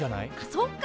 そっか！